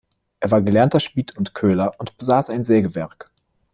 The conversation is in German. Er war gelernter Schmied und Köhler und besaß ein Sägewerk.